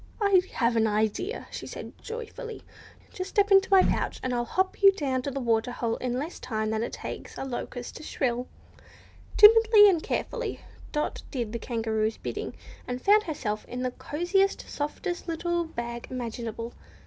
"I have an idea," she said joyfully. "Just step into my pouch, and I'll hop you down to the water hole in less time than it takes a locust to shrill." Timidly and carefully, Dot did the Kangaroo's bidding, and found herself in the cosiest, softest little bag imaginable.